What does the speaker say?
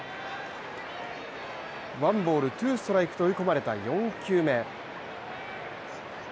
ワンボール・ツーストライクと追い込まれた４球目。